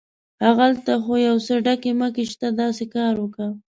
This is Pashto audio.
هغلته خو یو څه ډکي مکي شته، داسې کار وکه.